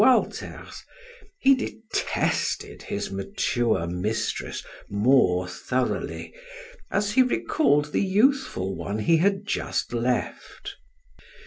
Walter's, he detested his mature mistress more thoroughly, as he recalled the youthful one he had just left.